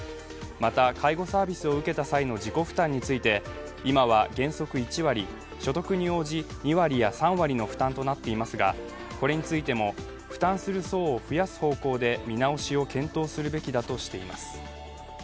また介護サービスを受けた際の自己負担について、今は原則１割、所得に応じ２割や３割の負担となっていますがこれについても負担する層を増やす方向で見直しを検討するべきだとしています。